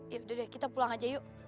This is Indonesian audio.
yaudah deh kita pulang aja yuk